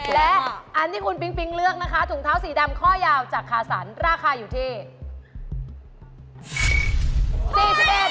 และอันที่คุณปิ๊งปิ๊งเลือกนะคะถุงเท้าสีดำข้อยาวจากคาสันราคาอยู่ที่